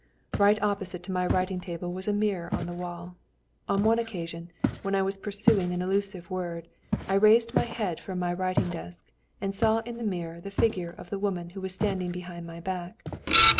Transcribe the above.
Right opposite to my writing table was a mirror on the wall. On one occasion, when I was pursuing an elusive word, I raised my head from my writing desk and saw in the mirror the figure of the woman who was standing behind my back.